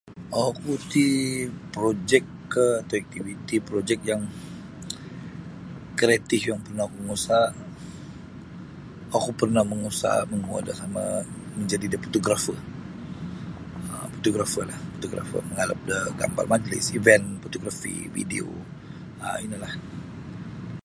Oku ti projik kah atau iktiviti projik yang kreatif yang pernah oku mangusaha oku pernah mangusaha monguo um majadi da photographer um photographerlah photographer mangalap da gambar majlis event fotografi video um inolah.